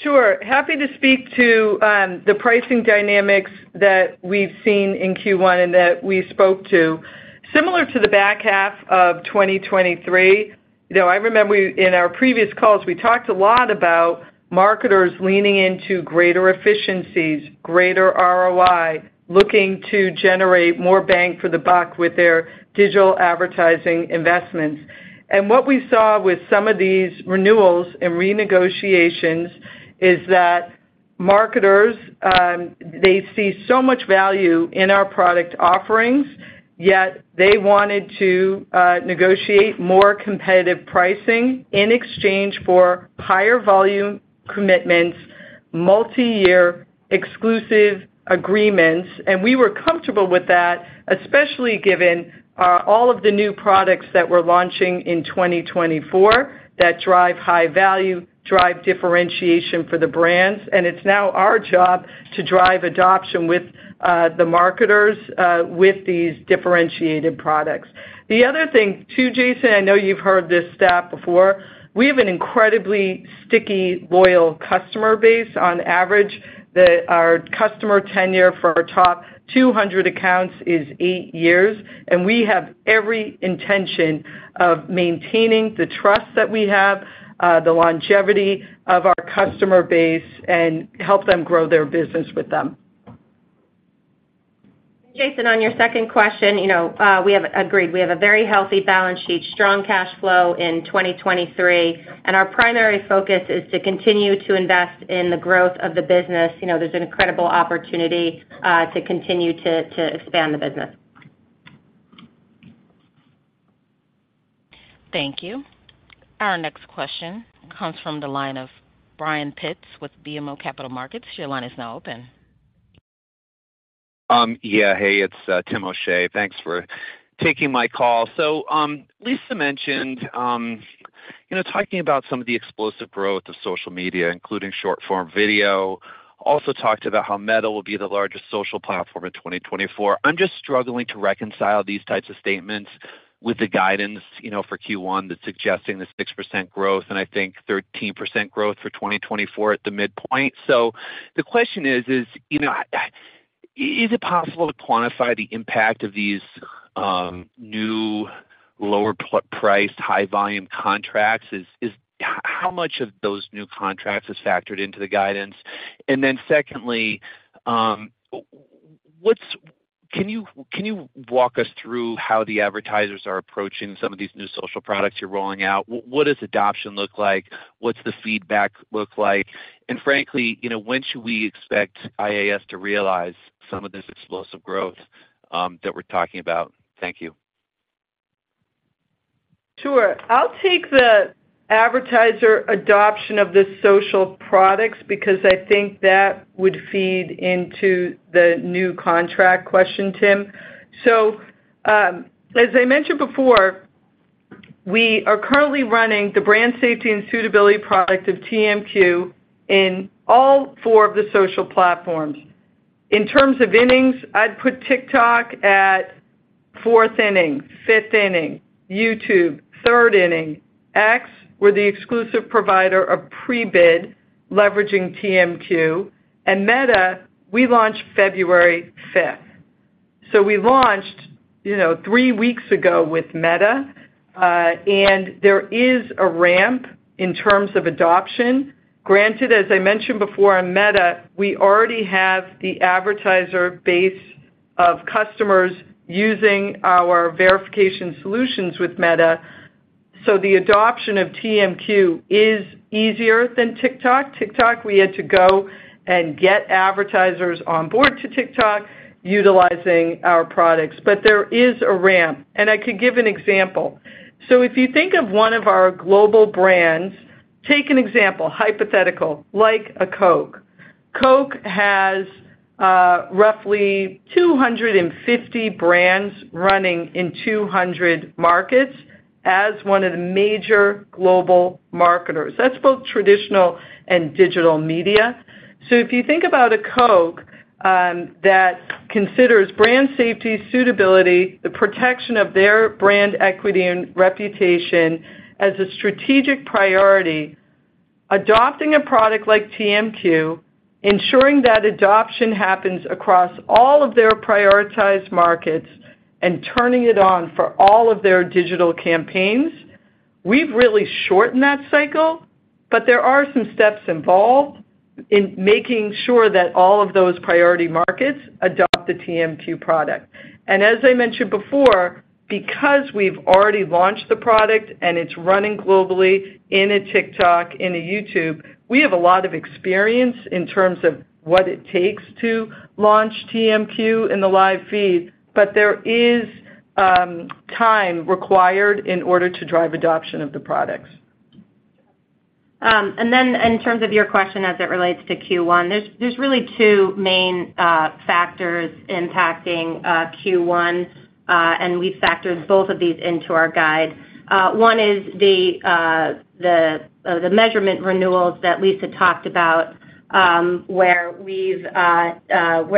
Sure. Happy to speak to the pricing dynamics that we've seen in Q1 and that we spoke to. Similar to the back half of 2023, I remember in our previous calls, we talked a lot about marketers leaning into greater efficiencies, greater ROI, looking to generate more bang for the buck with their digital advertising investments. And what we saw with some of these renewals and renegotiations is that marketers, they see so much value in our product offerings, yet they wanted to negotiate more competitive pricing in exchange for higher volume commitments, multi-year exclusive agreements. And we were comfortable with that, especially given all of the new products that we're launching in 2024 that drive high value, drive differentiation for the brands. And it's now our job to drive adoption with the marketers with these differentiated products. The other thing too, Jason, I know you've heard this stat before. We have an incredibly sticky, loyal customer base. On average, our customer tenure for our top 200 accounts is eight years. We have every intention of maintaining the trust that we have, the longevity of our customer base, and help them grow their business with them. Jason, on your second question, we have agreed. We have a very healthy balance sheet, strong cash flow in 2023, and our primary focus is to continue to invest in the growth of the business. There's an incredible opportunity to continue to expand the business. Thank you. Our next question comes from the line of Brian Pitz with BMO Capital Markets. Your line is now open. Yeah. Hey. It's Tim O'Shea. Thanks for taking my call. So Lisa mentioned talking about some of the explosive growth of social media, including short-form video. Also talked about how Meta will be the largest social platform in 2024. I'm just struggling to reconcile these types of statements with the guidance for Q1 that's suggesting the 6% growth and I think 13% growth for 2024 at the midpoint. So the question is, is it possible to quantify the impact of these new lower-priced, high-volume contracts? How much of those new contracts is factored into the guidance? And then secondly, can you walk us through how the advertisers are approaching some of these new social products you're rolling out? What does adoption look like? What's the feedback look like? And frankly, when should we expect IAS to realize some of this explosive growth that we're talking about? Thank you. Sure. I'll take the advertiser adoption of the social products because I think that would feed into the new contract question, Tim. So as I mentioned before, we are currently running the brand safety and suitability product of TMQ in all four of the social platforms. In terms of innings, I'd put TikTok at fourth inning, fifth inning, YouTube third inning. X, we're the exclusive provider of pre-bid leveraging TMQ. And Meta, we launched February 5th. So we launched three weeks ago with Meta, and there is a ramp in terms of adoption. Granted, as I mentioned before on Meta, we already have the advertiser base of customers using our verification solutions with Meta. So the adoption of TMQ is easier than TikTok. TikTok, we had to go and get advertisers on board to TikTok utilizing our products. But there is a ramp. And I could give an example. So if you think of one of our global brands, take an example, hypothetical, like a Coke. Coke has roughly 250 brands running in 200 markets as one of the major global marketers. That's both traditional and digital media. So if you think about a Coke that considers brand safety, suitability, the protection of their brand equity and reputation as a strategic priority, adopting a product like TMQ, ensuring that adoption happens across all of their prioritized markets, and turning it on for all of their digital campaigns, we've really shortened that cycle. But there are some steps involved in making sure that all of those priority markets adopt the TMQ product. As I mentioned before, because we've already launched the product and it's running globally in a TikTok, in a YouTube, we have a lot of experience in terms of what it takes to launch TMQ in the live feed. But there is time required in order to drive adoption of the products. And then in terms of your question as it relates to Q1, there's really two main factors impacting Q1, and we've factored both of these into our guide. One is the measurement renewals that Lisa talked about where we're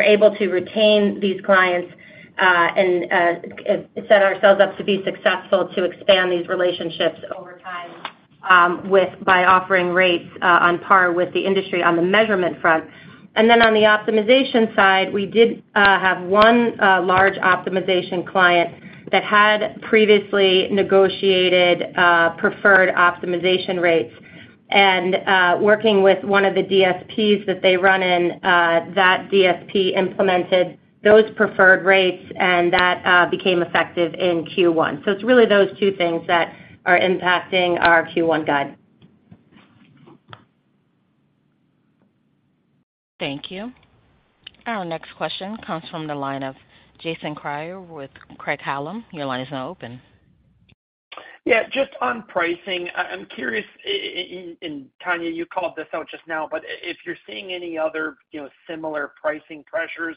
able to retain these clients and set ourselves up to be successful to expand these relationships over time by offering rates on par with the industry on the measurement front. And then on the optimization side, we did have one large optimization client that had previously negotiated preferred optimization rates. And working with one of the DSPs that they run in, that DSP implemented those preferred rates, and that became effective in Q1. So it's really those two things that are impacting our Q1 guide. Thank you. Our next question comes from the line of Jason Kreyer with Craig-Hallum. Your line is now open. Yeah. Just on pricing, I'm curious, and Tania, you called this out just now, but if you're seeing any other similar pricing pressures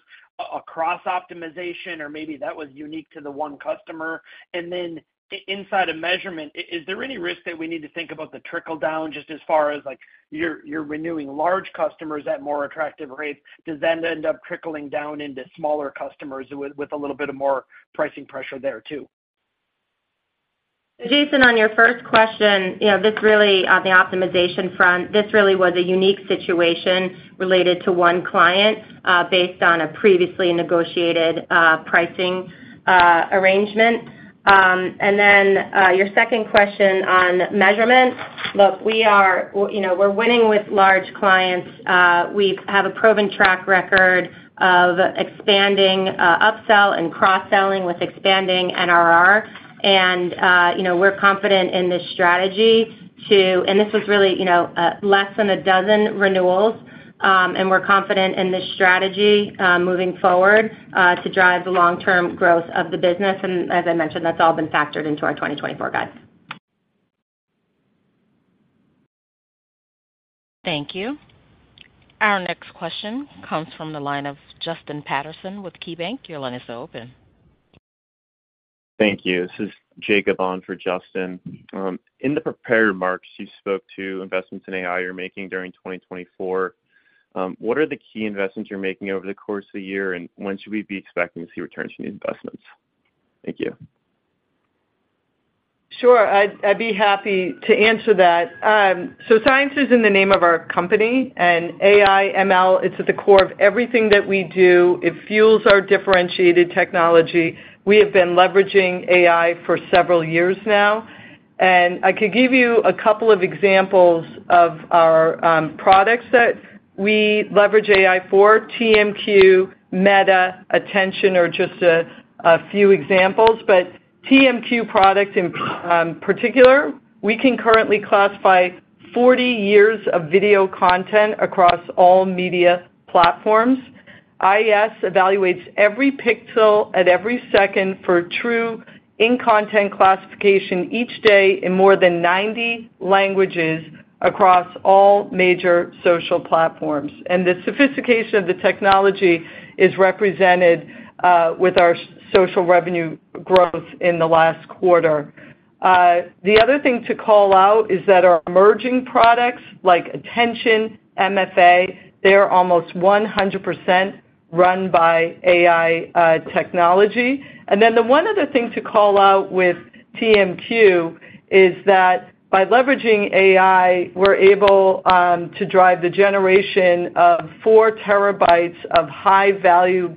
across optimization, or maybe that was unique to the one customer, and then inside a measurement, is there any risk that we need to think about the trickle-down just as far as you're renewing large customers at more attractive rates? Does that end up trickling down into smaller customers with a little bit of more pricing pressure there too? Jason, on your first question, this really on the optimization front, this really was a unique situation related to one client based on a previously negotiated pricing arrangement. Then your second question on measurement, look, we're winning with large clients. We have a proven track record of expanding upsell and cross-selling with expanding NRR. We're confident in this strategy to and this was really less than a dozen renewals. We're confident in this strategy moving forward to drive the long-term growth of the business. As I mentioned, that's all been factored into our 2024 guide. Thank you. Our next question comes from the line of Justin Patterson with KeyBanc. Your line is now open. Thank you. This is Jacob on for Justin. In the prepared remarks, you spoke to investments in AI you're making during 2024. What are the key investments you're making over the course of the year, and when should we be expecting to see returns from these investments? Thank you. Sure. I'd be happy to answer that. So Science is in the name of our company, and AI/ML, it's at the core of everything that we do. It fuels our differentiated technology. We have been leveraging AI for several years now. I could give you a couple of examples of our products that we leverage AI for: TMQ, Meta, Attention, are just a few examples. But TMQ product in particular, we can currently classify 40 years of video content across all media platforms. IAS evaluates every pixel at every second for true in-content classification each day in more than 90 languages across all major social platforms. And the sophistication of the technology is represented with our social revenue growth in the last quarter. The other thing to call out is that our emerging products like Attention, MFA, they're almost 100% run by AI technology. Then the one other thing to call out with TMQ is that by leveraging AI, we're able to drive the generation of 4 TB of high-value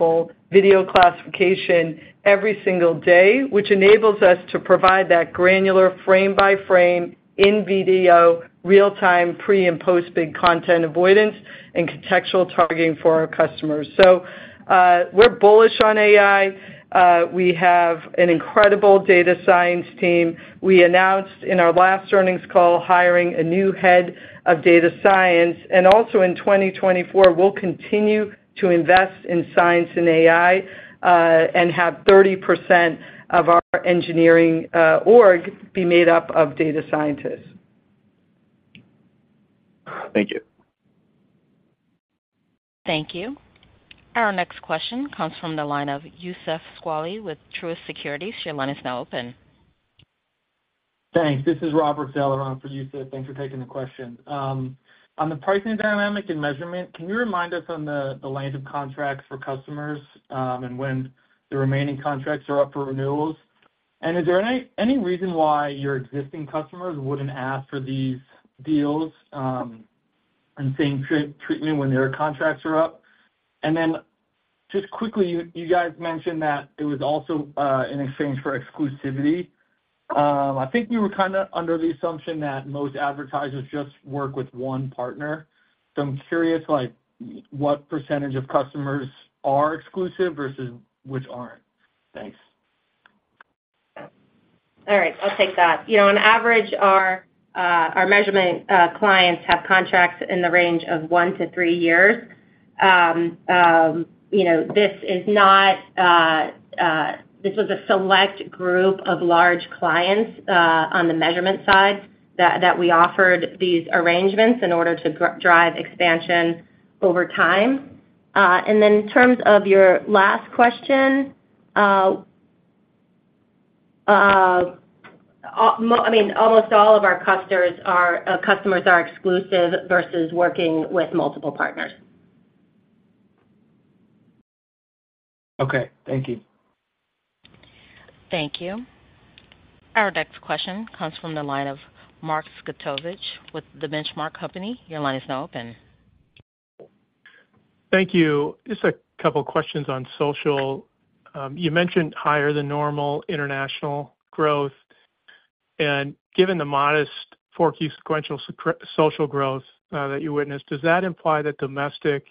video classification every single day, which enables us to provide that granular frame-by-frame in-video, real-time pre- and post-bid content avoidance, and contextual targeting for our customers. So we're bullish on AI. We have an incredible data science team. We announced in our last earnings call hiring a new head of data science. Also in 2024, we'll continue to invest in science and AI and have 30% of our engineering org be made up of data scientists. Thank you. Thank you. Our next question comes from the line of Youssef Squali with Truist Securities. Your line is now open. Thanks. This is Robert Zeller on for Youssef. Thanks for taking the question. On the pricing dynamic and measurement, can you remind us on the length of contracts for customers and when the remaining contracts are up for renewals? And is there any reason why your existing customers wouldn't ask for these deals and same treatment when their contracts are up? And then just quickly, you guys mentioned that it was also in exchange for exclusivity. I think we were kind of under the assumption that most advertisers just work with one partner. So I'm curious what percentage of customers are exclusive versus which aren't. Thanks. All right. I'll take that. On average, our measurement clients have contracts in the range of one to three years. This was a select group of large clients on the measurement side that we offered these arrangements in order to drive expansion over time. And then in terms of your last question, I mean, almost all of our customers are exclusive versus working with multiple partners. Okay. Thank you. Thank you. Our next question comes from the line of Mark Zgutowicz with The Benchmark Company. Your line is now open. Thank you. Just a couple of questions on social. You mentioned higher than normal international growth. Given the modest 4% sequential social growth that you witnessed, does that imply that domestic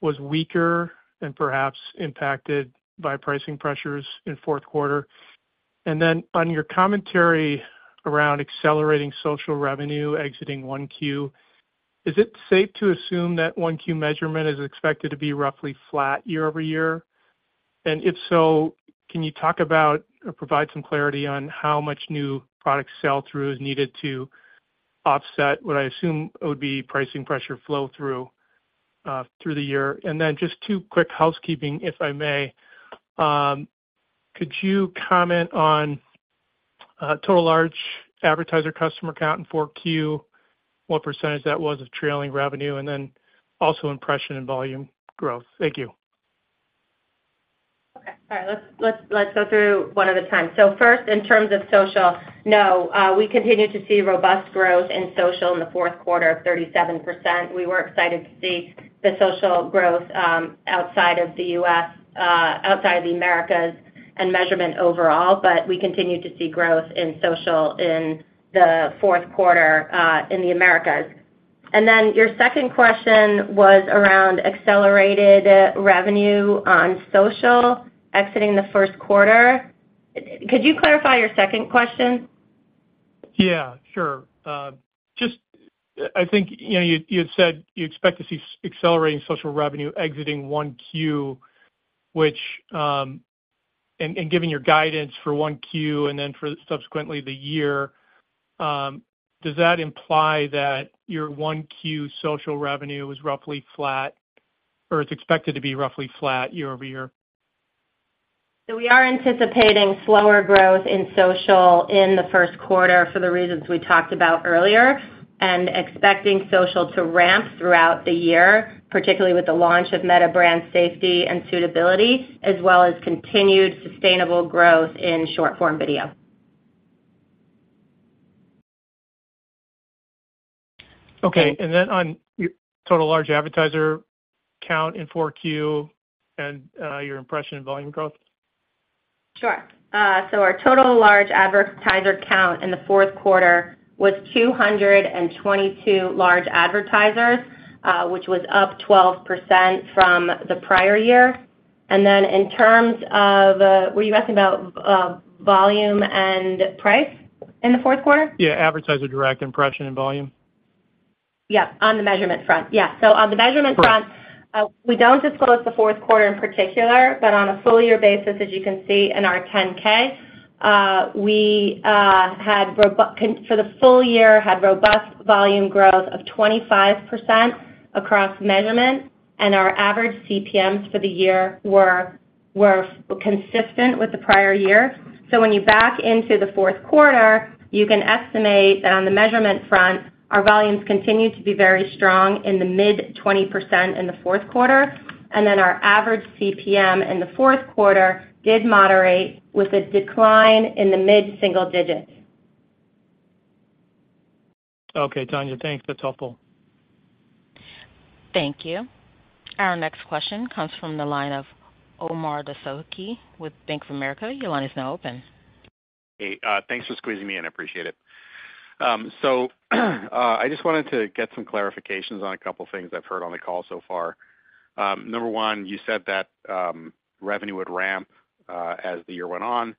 was weaker and perhaps impacted by pricing pressures in fourth quarter? Then on your commentary around accelerating social revenue exiting 1Q, is it safe to assume that 1Q measurement is expected to be roughly flat year over year? And if so, can you talk about or provide some clarity on how much new product sell-through is needed to offset what I assume would be pricing pressure flow through the year? Then just two quick housekeeping, if I may. Could you comment on total large advertiser customer count in 4Q, what percentage that was of trailing revenue, and then also impression and volume growth? Thank you. Okay. All right. Let's go through one at a time. So first, in terms of social, no, we continue to see robust growth in social in the fourth quarter of 37%. We were excited to see the social growth outside of the U.S., outside of the Americas, and measurement overall. But we continue to see growth in social in the fourth quarter in the Americas. And then your second question was around accelerated revenue on social exiting the first quarter. Could you clarify your second question? Yeah. Sure. I think you had said you expect to see accelerating social revenue exiting 1Q, which and given your guidance for 1Q and then for subsequently the year, does that imply that your 1Q social revenue was roughly flat or it's expected to be roughly flat year-over-year? We are anticipating slower growth in social in the first quarter for the reasons we talked about earlier and expecting social to ramp throughout the year, particularly with the launch of Meta brand safety and suitability, as well as continued sustainable growth in short-form video. Okay. And then on total large advertiser count in 4Q and your impression and volume growth? Sure. So our total large advertiser count in the fourth quarter was 222 large advertisers, which was up 12% from the prior year. And then in terms of were you asking about volume and price in the fourth quarter? Yeah. Advertiser direct impression and volume. Yep. On the measurement front. Yeah. So on the measurement front, we don't disclose the fourth quarter in particular. But on a full-year basis, as you can see in our 10-K, we had for the full year, had robust volume growth of 25% across measurement. And our average CPMs for the year were consistent with the prior year. So when you back into the fourth quarter, you can estimate that on the measurement front, our volumes continued to be very strong in the mid-20% in the fourth quarter. And then our average CPM in the fourth quarter did moderate with a decline in the mid-single digits. Okay, Tania. Thanks. That's helpful. Thank you. Our next question comes from the line of Omar Dessouky with Bank of America. Your line is now open. Hey. Thanks for squeezing me in. I appreciate it. So I just wanted to get some clarifications on a couple of things I've heard on the call so far. Number one, you said that revenue would ramp as the year went on.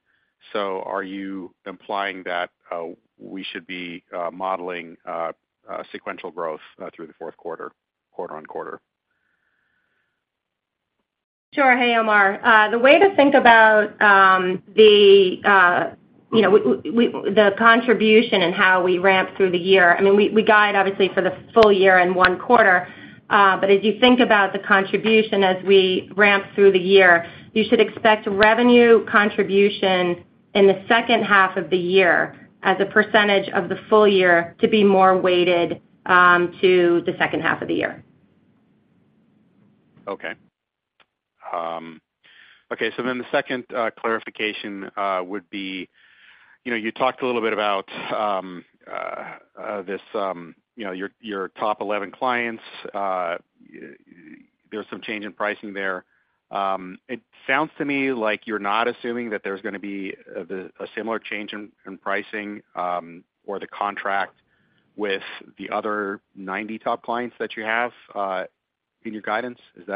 So are you implying that we should be modeling sequential growth through the fourth quarter, quarter-over-quarter? Sure. Hey, Omar. The way to think about the contribution and how we ramp through the year, I mean, we guide, obviously, for the full year in one quarter. But as you think about the contribution as we ramp through the year, you should expect revenue contribution in the second half of the year as a percentage of the full year to be more weighted to the second half of the year. Okay. Okay. So then the second clarification would be you talked a little bit about this your top 11 clients. There's some change in pricing there. It sounds to me like you're not assuming that there's going to be a similar change in pricing or the contract with the other 90 top clients that you have in your guidance. Did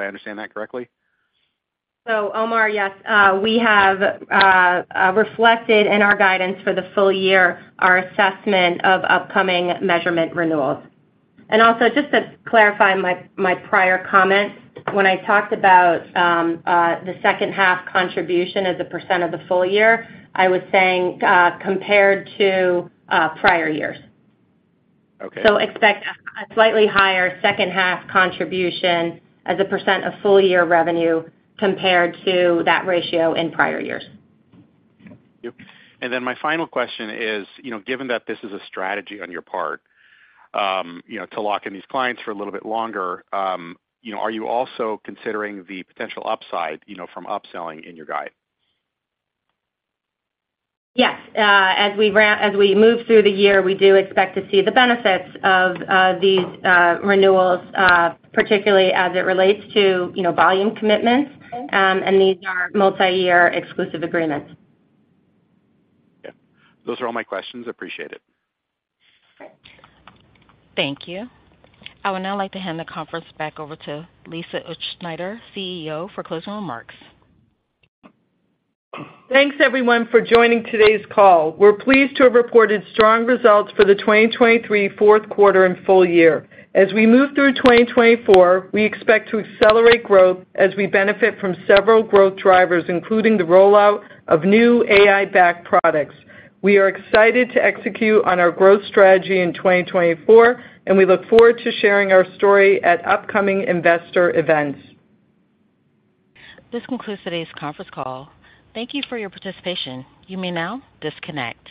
I understand that correctly? So, Omar, yes. We have reflected in our guidance for the full year our assessment of upcoming measurement renewals. Also, just to clarify my prior comment, when I talked about the second-half contribution as a % of the full year, I was saying compared to prior years. Expect a slightly higher second-half contribution as a % of full-year revenue compared to that ratio in prior years. Yep. And then my final question is, given that this is a strategy on your part to lock in these clients for a little bit longer, are you also considering the potential upside from upselling in your guide? Yes. As we move through the year, we do expect to see the benefits of these renewals, particularly as it relates to volume commitments. These are multi-year exclusive agreements. Yeah. Those are all my questions. Appreciate it. Thank you. I would now like to hand the conference back over to Lisa Utzschneider, CEO, for closing remarks. Thanks, everyone, for joining today's call. We're pleased to have reported strong results for the 2023 fourth quarter and full year. As we move through 2024, we expect to accelerate growth as we benefit from several growth drivers, including the rollout of new AI-backed products. We are excited to execute on our growth strategy in 2024, and we look forward to sharing our story at upcoming investor events. This concludes today's conference call. Thank you for your participation. You may now disconnect.